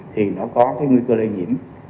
thì nó có cái nguy cơ lây nhiễm